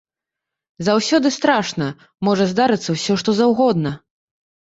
Заўсёды страшна, можа здарыцца ўсё што заўгодна.